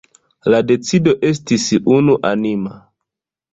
La decido estis unuanima.